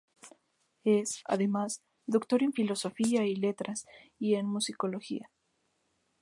Es, además, Doctor en Filosofía y Letras y en Musicología.